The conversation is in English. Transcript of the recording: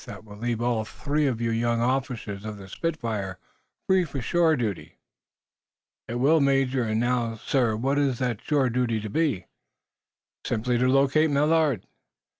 That will leave all three of you young officers of the 'Spitfire' free for shore duty." "It will, Major. And now, sir, what is that shore duty to be?" "Simply to locate Millard.